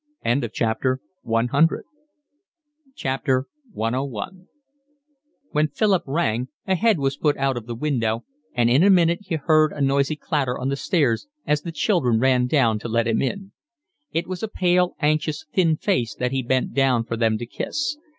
CI When Philip rang a head was put out of the window, and in a minute he heard a noisy clatter on the stairs as the children ran down to let him in. It was a pale, anxious, thin face that he bent down for them to kiss.